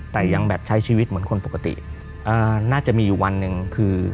แต่ยังแบบใช้ชีวิตเหมือนคนปกติอ่าน่าจะมีอยู่วันหนึ่งคือ